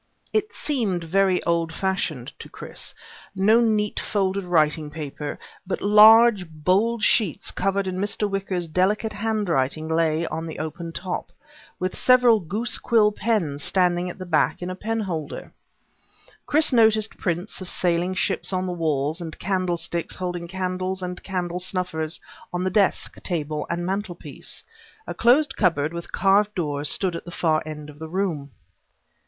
It seemed very old fashioned, to Chris no neat folded writing paper, but large bold sheets covered in Mr. Wicker's delicate handwriting lay on the open top, with several goose quill pens standing at the back in a penholder. Chris noticed prints of sailing ships on the walls, and candlesticks holding candles and candle snuffers on the desk, table, and mantelpiece. A closed cupboard with carved doors stood at the far end of the room.